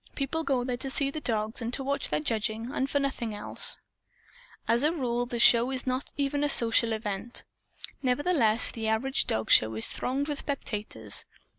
People go there to see the dogs and to watch their judging, and for nothing else. As a rule, the show is not even a social event. Nevertheless, the average dogshow is thronged with spectators.